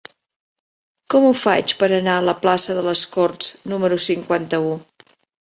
Com ho faig per anar a la plaça de les Corts número cinquanta-u?